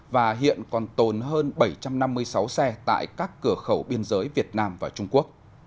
và hiện còn tồn hơn bảy trăm năm mươi sáu xe tại các cửa khẩu biên giới việt nam và trung quốc